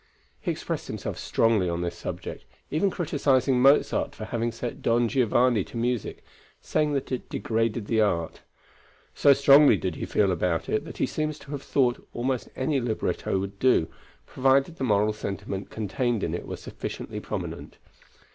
He expressed himself strongly on this subject, even criticising Mozart for having set Don Giovanni to music, saying that it degraded the art. So strongly did he feel about it that he seems to have thought almost any libretto would do, provided the moral sentiment contained in it were sufficiently prominent.